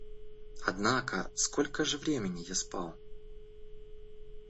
Однако, сколько же времени я спал?